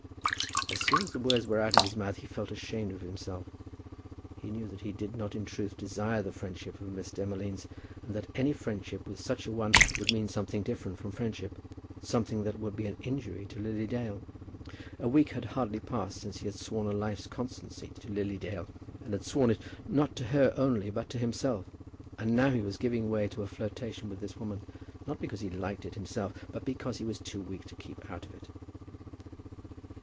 As soon as the words were out of his mouth he felt ashamed of himself. He knew that he did not in truth desire the friendship of Miss Demolines, and that any friendship with such a one would mean something different from friendship, something that would be an injury to Lily Dale. A week had hardly passed since he had sworn a life's constancy to Lily Dale, had sworn it, not to her only, but to himself; and now he was giving way to a flirtation with this woman, not because he liked it himself, but because he was too weak to keep out of it.